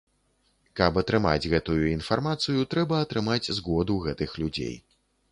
Каб атрымаць гэтую інфармацыю, трэба атрымаць згоду гэтых людзей.